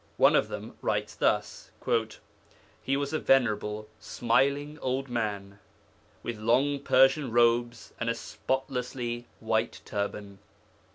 One of them writes thus: 'He was a venerable, smiling old man, with long Persian robes and a spotlessly white turban.